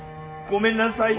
ごめんなさい！